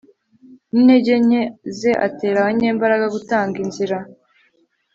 Nintege nke ze atera abanyembaraga gutanga inzira